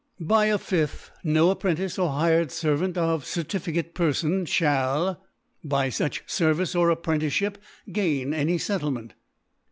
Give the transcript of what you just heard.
By a fifth J, no Apprentice cr hired Ser vant of Certificate Perfon fhall, by fuch Ser vice or Apprenticefhip, gain any Settle ' ment.